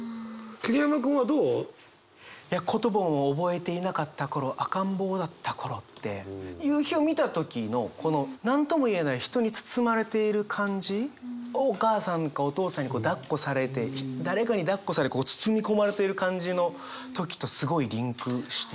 桐山君はどう？って夕日を見た時のこの何とも言えない人に包まれている感じをお母さんかお父さんにだっこされて誰かにだっこされて包み込まれている感じの時とすごいリンクして。